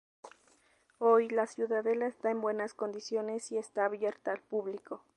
Hoy, la ciudadela está en buenas condiciones y está abierta al público.